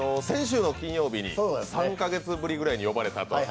先週の金曜日に３カ月ぶりぐらいに呼ばれたと。